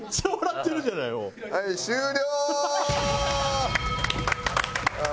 はい終了！